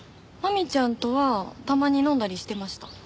マミちゃんとはたまに飲んだりしてました。